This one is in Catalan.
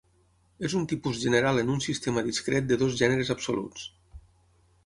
És un tipus general en un sistema discret de dos gèneres absoluts.